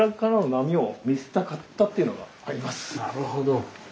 なるほど。